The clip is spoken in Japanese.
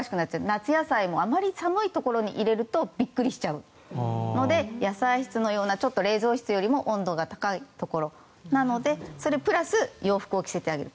夏野菜もあまり寒いところに入れるとびっくりしちゃうので野菜室のようなちょっと冷蔵室よりも温度が高いところなのでそれプラス洋服を着せてあげる。